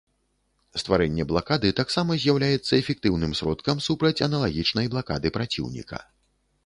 Стварэнне блакады таксама з'яўляецца эфектыўным сродкам супраць аналагічнай блакады праціўніка.